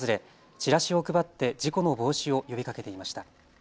チラシを配って事故の防止を呼びかけていました。